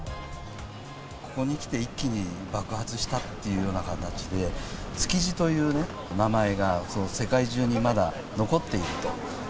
ここにきて、一気に爆発したっていうような形で、築地という名前が世界中にまだ残っていると。